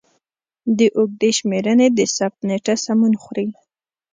د اوږدې شمېرنې د ثبت نېټه سمون خوري.